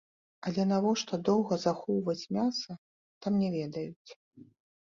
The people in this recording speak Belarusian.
Але навошта доўга захоўваць мяса, там не ведаюць.